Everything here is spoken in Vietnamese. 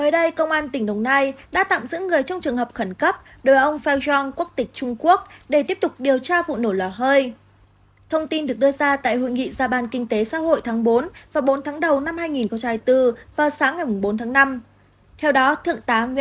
các bạn hãy đăng ký kênh để ủng hộ kênh của chúng mình nhé